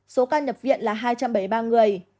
số ca nhập viện là hai trăm bảy mươi ba người